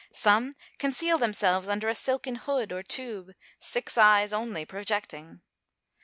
Some conceal themselves under a silken hood or tube, six eyes only projecting.